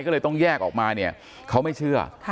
ก็เลยต้องแยกออกมาเนี่ยเขาไม่เชื่อ